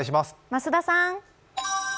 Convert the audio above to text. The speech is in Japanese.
増田さん。